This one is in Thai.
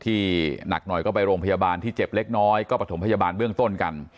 ที่หนักหน่อยก็ไปโรงพยาบาลที่เจ็บเล็กน้อยก็ประถมพยาบาลเบื้องต้นกัน